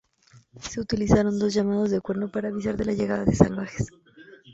Se utilizan dos llamadas de cuerno para avisar de la llegada de Salvajes.